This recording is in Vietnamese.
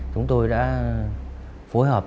chúng tôi đã phối hợp